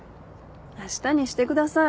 明日にしてください。